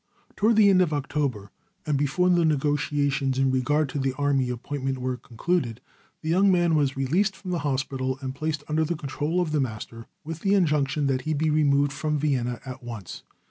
Toward the end of October, and before the negotiations in regard to the army appointment were concluded, the young man was released from the hospital, and placed under the control of the master, with the injunction that he be removed from Vienna at once.